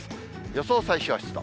予想最小湿度。